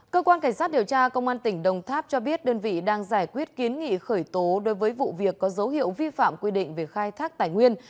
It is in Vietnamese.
cơ quan cảnh sát điều tra công an tỉnh đồng tháp cho biết đơn vị đang giải quyết kiến nghị khởi tố đối với vụ việc có dấu hiệu vi phạm quy định về khai thác tài nguyên